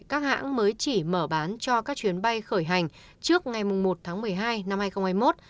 các hãng mới chỉ mở bán cho các chuyến bay khởi hành trước ngày một tháng một mươi hai năm hai nghìn hai mươi một